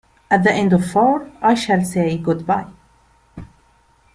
At the end of four, I shall say good-bye.